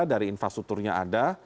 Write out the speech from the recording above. dari infrastrukturnya ada